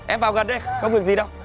em vào gần đi không việc gì đâu